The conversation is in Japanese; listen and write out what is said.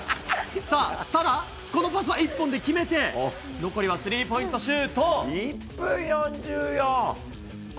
さあ、ただ、このパスは１本で決めて、残りはスリーポイントシュート。